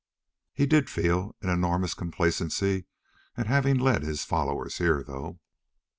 He did feel an enormous complacency at having led his followers here, though.